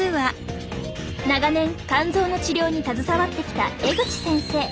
長年肝臓の治療に携わってきた江口先生。